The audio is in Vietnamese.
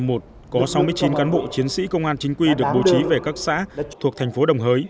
theo quyết định trong giai đoạn một có sáu mươi chín cán bộ chiến sĩ công an chính quy được bố trí về các xã thuộc thành phố đồng hới